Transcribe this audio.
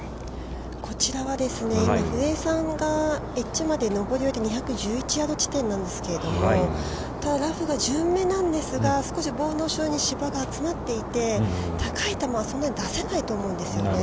◆こちらは、今、古江さんがエッジまで残り２１１ヤード地点なんですけれどもただ、ラフが順目なんですが、少しボードに芝が集まっていて、高い球はそんなに出せないと思うんですよね。